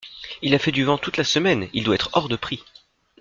Il a fait du vent toute la semaine, il doit être hors de prix…